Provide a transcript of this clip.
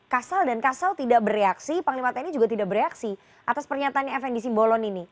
kasal dan kasal tidak bereaksi panglima tni juga tidak bereaksi atas pernyataan fn di simbolon ini